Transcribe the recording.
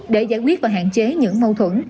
để giải quyết và hạn chế những mâu thuẫn